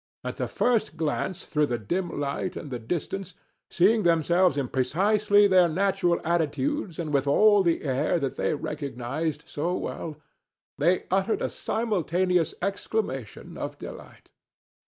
At the first glance through the dim light and the distance, seeing themselves in precisely their natural attitudes and with all the air that they recognized so well, they uttered a simultaneous exclamation of delight.